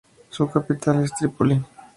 Su capital es Trípoli.